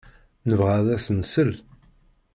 Nebɣa ad as-nsel.